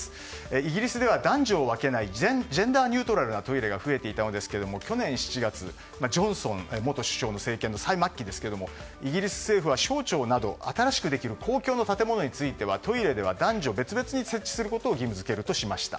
イギリスでは男女を分けないジェンダーニュートラルなトイレが増えていたんですが去年７月ジョンソン元首相の政権の最末期ですけれどもイギリス政府は省庁など新しくできる公共の建物についてはトイレでは男女別々に設置することを義務付けるとしました。